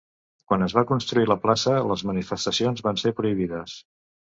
Quan es va construir la plaça, les manifestacions van ser prohibides.